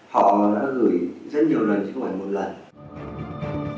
họ đã gửi rất nhiều lần chứ không phải một lần